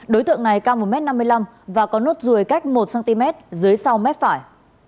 đối tượng này cao một m năm mươi năm và có nốt ruồi cách một cm dưới sau mép phải